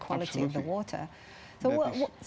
jadi apa cara terbaik